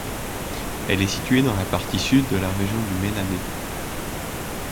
Elle est située dans la partie sud de la région du Menabe.